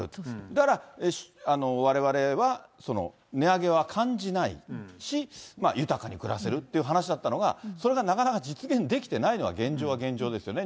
だからわれわれは値上げは感じないし、豊かに暮らせるっていう話だったのが、それがなかなか実現できてないのは、現状は現状ですよね。